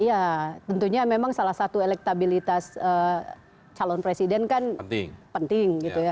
ya tentunya memang salah satu elektabilitas calon presiden kan penting gitu ya